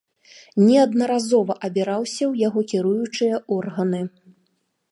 Неаднаразова абіраўся ў яго кіруючыя органы.